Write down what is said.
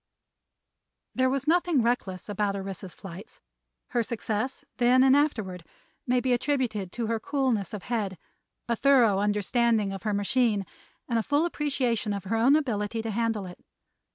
There was nothing reckless about Orissa's flights; her success, then and afterward, may be attributed to her coolness of head, a thorough understanding of her machine and a full appreciation of her own ability to handle it.